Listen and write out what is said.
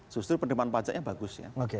justru penerimaan pajaknya bagus ya